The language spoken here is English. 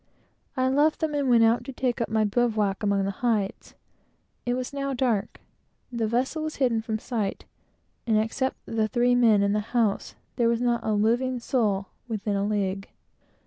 I left them and went out to take up my bivouack among the hides. It was now dark; the vessel was hidden from sight, and except the three men in the house, there was not a living soul within a league.